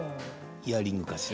イヤリングかしら？